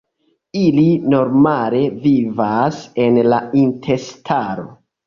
Ili normale vivas en la intestaro.